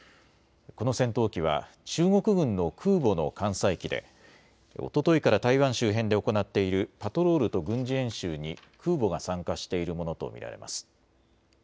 この戦闘機は中国軍の空母の艦載機でおとといから台湾周辺で行っているパトロールと軍事演習に空母が参加しているものと見られます。